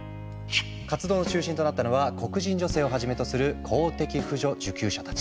活動の中心となったのは黒人女性をはじめとする公的扶助受給者たち。